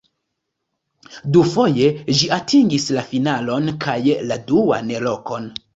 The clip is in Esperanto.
Dufoje ĝi atingis la finalon kaj la duan lokon.